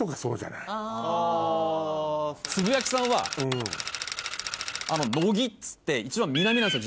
つぶやきさんは野木っつって一番南なんですよ